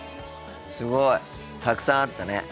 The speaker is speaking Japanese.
すごいたくさんあったね。